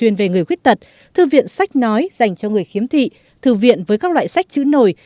tuyên về người khuyết tật thư viện sách nói dành cho người khiếm thị thư viện với các loại sách chữ nổi